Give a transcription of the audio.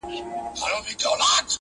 د زاړه کفن کښ زوی شنل قبرونه.!